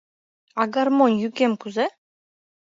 А гармонь йӱкем кузе?